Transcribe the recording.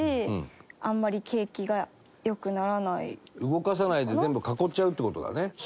動かさないで全部囲っちゃうって事だね。